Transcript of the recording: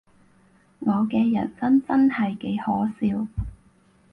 我嘅人生真係幾可笑